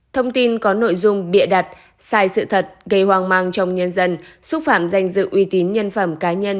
thông tin có nội dung bịa đặt sai sự thật gây hoang mang trong nhân dân xúc phạm danh dự uy tín nhân phẩm cá nhân